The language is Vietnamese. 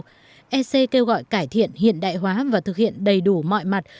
về các vấn đề xã hội và môi trường ec kêu gọi cải thiện hiện đại hóa và thực hiện đầy đủ mọi mặt